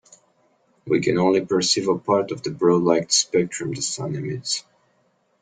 We can only perceive a part of the broad light spectrum the sun emits.